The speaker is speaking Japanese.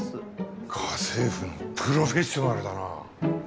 家政婦のプロフェッショナルだな。